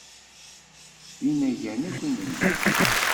D inagan akk i nella.